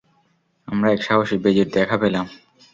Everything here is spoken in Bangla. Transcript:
আমরা এক সাহসী বেজির দেখা পেলাম।